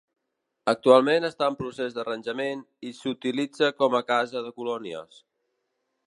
Actualment està en procés d'arranjament i s'utilitza com a casa de colònies.